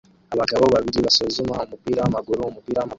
abagabo babiri basuzuma umupira wamaguru umupira wamaguru